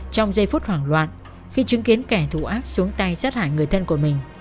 trong giây phút hoảng loạn khi chứng kiến kẻ thù ác xuống tay sát hại người thân của mình